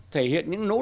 thể hiện những nỗ lực